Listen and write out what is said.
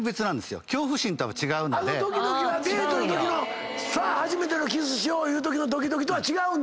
あのドキドキはデートのときの初めてのキスしよういうときのドキドキとは違うんだ？